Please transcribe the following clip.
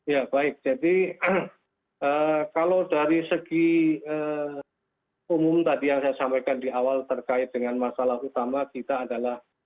ya baik jadi kalau dari segi umum tadi yang saya sampaikan di awal terkait dengan masalah utama kita adalah